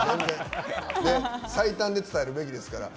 最短で伝えるべきですから。